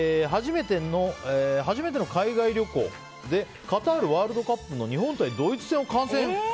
初めての海外旅行でカタールワールドカップの日本対ドイツ戦を観戦。